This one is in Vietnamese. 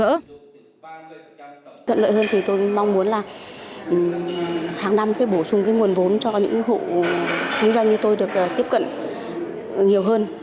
tận lợi hơn thì tôi mong muốn là hàng năm sẽ bổ sung cái nguồn vốn cho những hộ kinh doanh như tôi được tiếp cận nhiều hơn